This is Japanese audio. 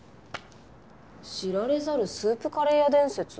「知られざるスープカレー屋伝説」？